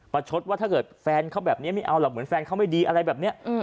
ชดว่าถ้าเกิดแฟนเขาแบบนี้ไม่เอาหรอกเหมือนแฟนเขาไม่ดีอะไรแบบนี้